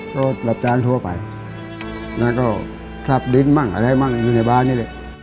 ก็รับจานทั่วไปแล้วก็ซับดินมั่งอะไรมั่งอยู่ในบ้านนี่แหละ